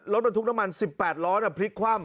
รถบรรทุกน้ำมัน๑๘ล้อพลิกคว่ำ